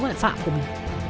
hoạn phạm của mình